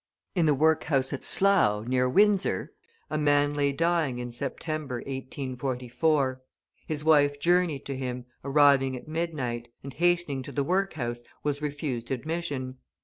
In the workhouse at Slough, near Windsor, a man lay dying in September, 1844. His wife journeyed to him, arriving at midnight; and hastening to the workhouse, was refused admission.